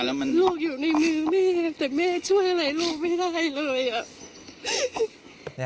ลูกอยู่ในมือแม่แต่แม่ช่วยอะไรลูกไม่ได้เลย